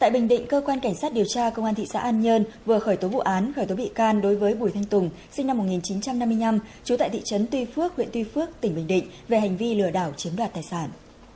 tại bình định cơ quan cảnh sát điều tra công an thị xã an nhơn vừa khởi tố vụ án khởi tố bị can đối với bùi thanh tùng sinh năm một nghìn chín trăm năm mươi năm trú tại thị trấn tuy phước huyện tuy phước tỉnh bình định về hành vi lừa đảo chiếm đoạt tài sản